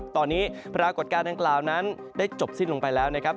ตอนนี้ปรากฏการณ์ดังกล่าวนั้นได้จบสิ้นลงไปแล้วนะครับ